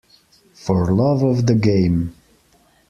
For love of the game.